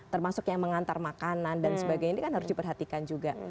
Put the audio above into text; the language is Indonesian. termasuk yang mengantar makanan dan sebagainya ini kan harus diperhatikan juga